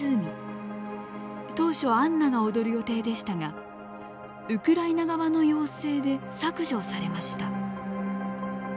当初アンナが踊る予定でしたがウクライナ側の要請で削除されました。